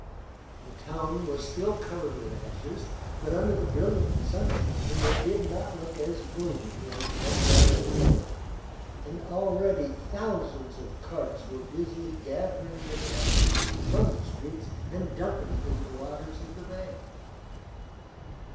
The town was still covered with ashes, but under the brilliant sunshine it did not look as gloomy as one might imagine, and already thousands of carts were busily gathering the dust from the streets and dumping it in the waters of the bay.